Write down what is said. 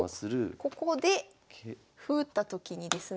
ここで歩打ったときにですね